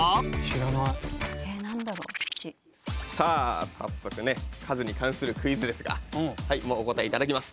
さあ早速ね数に関するクイズですがもうお答え頂きます。